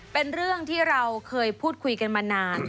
เป็นเรื่องที่เราเคยพูดคุยกันมานาน